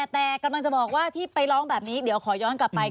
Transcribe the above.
แต่กำลังจะบอกว่าที่ไปร้องแบบนี้เดี๋ยวขอย้อนกลับไป